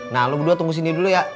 nah lo berdua tunggu sini dulu ya